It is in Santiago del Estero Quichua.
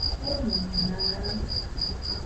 umay nanan